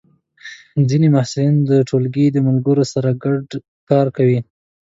ځینې محصلین د ټولګی ملګرو سره ګډ کار کوي.